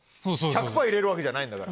１００パー入れるわけじゃないんだから。